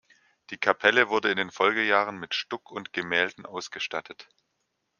Die Kapelle wurde in den Folgejahren mit Stuck und Gemälden ausgestattet.